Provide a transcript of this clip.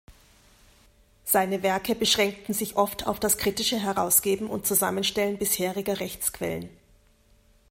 Seine Werke beschränkten sich oft auf das kritische Herausgeben und Zusammenstellen bisheriger Rechtsquellen.